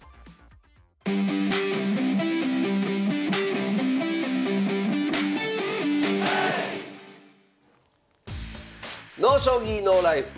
「ＮＯ将棋ＮＯＬＩＦＥ」